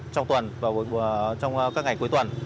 trong tuần trong các ngày cuối tuần